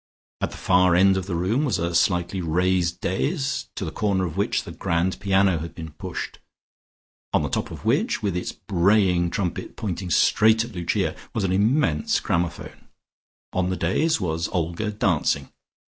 At the far end of the room was a slightly raised dais, to the corner of which the grand piano had been pushed, on the top of which, with its braying trumpet pointing straight at Lucia was an immense gramophone. On the dais was Olga dancing.